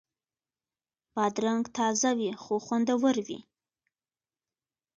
بادرنګ تازه وي نو خوندور وي.